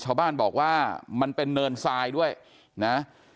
ชาวบ้านบอกว่ามันเป็นเนินทรายด้วยนะ